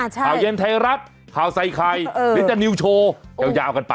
ข่าวเย็นไทยรัฐข่าวใส่ไข่หรือจะนิวโชว์ยาวกันไป